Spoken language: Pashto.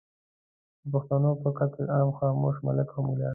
د پښتنو پر قتل عام خاموش ملک او ملا